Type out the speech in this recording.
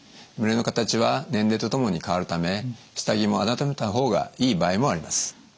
胸の形は年齢とともに変わるため下着も改めた方がいい場合もあります。